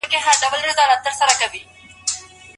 ذهني وده د مطالعې او فکر کولو پایله ده.